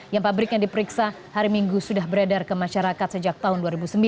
yang pabriknya diperiksa hari minggu sudah beredar ke masyarakat sejak tahun dua ribu sembilan